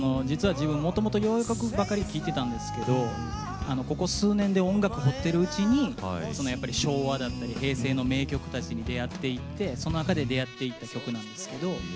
実は自分もともと洋楽ばかり聴いてたんですけどここ数年で音楽を掘ってるうちにやっぱり昭和だったり平成の名曲たちに出会っていってその中で出会っていった曲なんですけど。